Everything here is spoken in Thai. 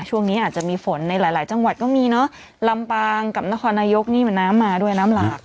ช่วงนี้อาจจะมีฝนในหลายหลายจังหวัดก็มีเนอะลำปางกับนครนายกนี่เหมือนน้ำมาด้วยน้ำหลาก